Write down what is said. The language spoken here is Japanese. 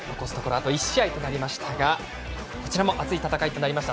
あと１試合となりましたがこちらも熱い戦いとなりました。